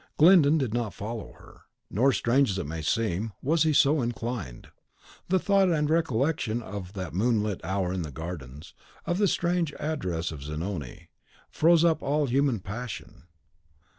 Glyndon did not follow her, nor, strange as it may seem, was he so inclined. The thought and recollection of that moonlit hour in the gardens, of the strange address of Zanoni, froze up all human passion.